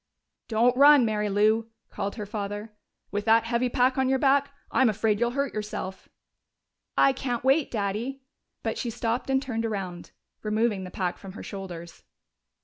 "Don't run, Mary Lou!" called her father. "With that heavy pack on your back! I'm afraid you'll hurt yourself." "I can't wait, Daddy." But she stopped and turned around, removing the pack from her shoulders.